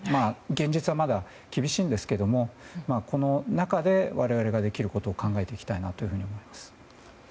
現実はまだ厳しいんですけどもこの中で我々ができることを考えていきたいと思います。